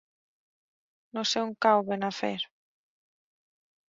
No sé on cau Benafer.